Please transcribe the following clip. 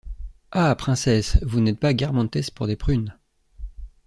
Ah! princesse, vous n’êtes pas Guermantes pour des prunes.